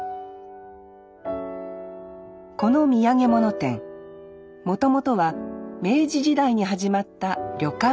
この土産物店もともとは明治時代に始まった旅館でした。